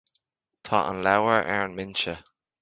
Tá an leabhar ar an mbinse